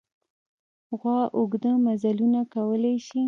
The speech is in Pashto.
غوا اوږده مزلونه کولی شي.